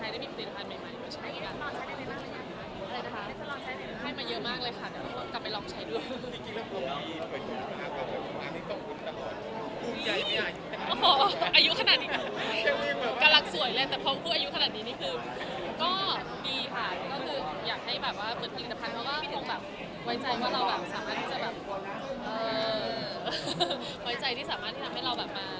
ดีค่ะก็คืออยากให้เหมือนลิงนภัณฑ์เขาก็ต้องไว้ใจว่าเราสามารถมามีอะไรได้